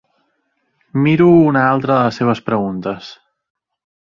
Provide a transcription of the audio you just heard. Miro una altra de les seves preguntes.